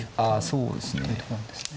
そうですね。